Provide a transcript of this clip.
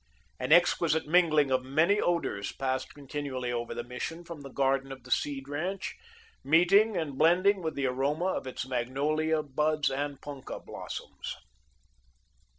An exquisite mingling of many odours passed continually over the Mission, from the garden of the Seed ranch, meeting and blending with the aroma of its magnolia buds and punka blossoms.